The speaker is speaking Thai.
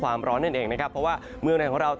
วันหยุดสุดสัปดาห์แล้วนะครับ